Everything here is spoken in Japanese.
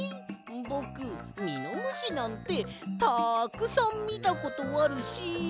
ぼくミノムシなんてたくさんみたことあるし！